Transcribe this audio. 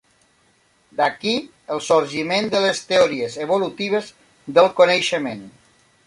D'aquí el sorgiment de les teories evolutives del coneixement.